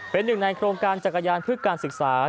เป็นหนึ่งในโครงการจักรยานพืชการศึกษา